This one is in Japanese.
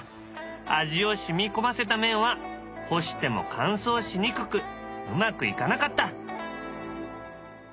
味を染み込ませた麺は干しても乾燥しにくくうまくいかなかった。